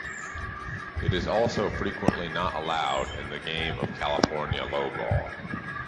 It is also frequently not allowed in the game of California lowball.